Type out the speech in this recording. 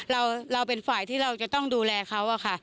เราเป็นฝ่ายที่เราจะต้องดูแลเขาอะค่ะ